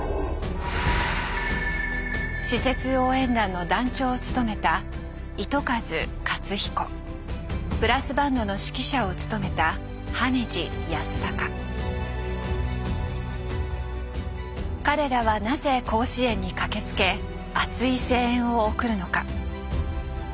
私設応援団の団長を務めたブラスバンドの指揮者を務めた彼らはなぜ甲子園に駆けつけ熱い声援を送るのか。